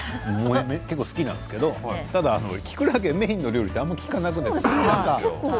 結構、好きなんですけどきくらげメインの料理ってあまり聞かないですよね。